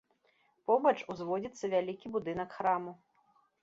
Побач узводзіцца вялікі будынак храму.